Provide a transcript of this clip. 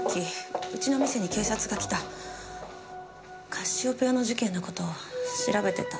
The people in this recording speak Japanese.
カシオペアの事件の事調べてた。